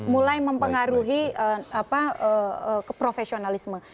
mulai mempengaruhi keprofesionalisme